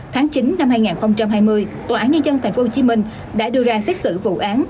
tháng chín năm hai nghìn hai mươi tòa án nhân dân tp hcm đã đưa ra xét xử vụ án